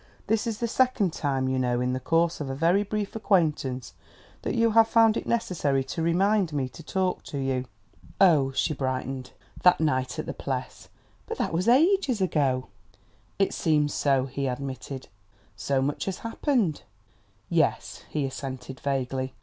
"This is the second time, you know, in the course of a very brief acquaintance, that you have found it necessary to remind me to talk to you." "Oh h!" She brightened. "That night, at the Pless? But that was ages ago!" "It seems so," he admitted. "So much has happened!" "Yes," he assented vaguely.